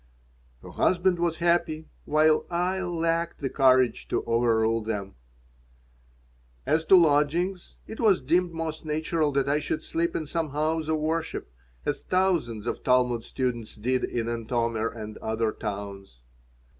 Her husband was happy, while I lacked the courage to overrule them As to lodgings, it was deemed most natural that I should sleep in some house of worship, as thousands of Talmud students did in Antomir and other towns.